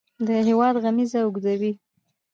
د هیواد غمیزه اوږدوي.